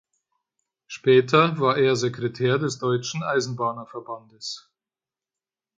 Später war er Sekretär des Deutschen Eisenbahner-Verbandes.